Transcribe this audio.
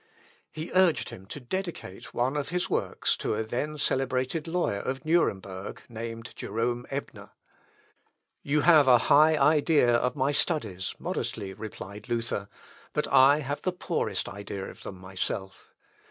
He urged him to dedicate one of his works to a then celebrated lawyer of Nuremberg, named Jerome Ebner: "You have a high idea of my studies," modestly replied Luther; "but I have the poorest idea of them myself.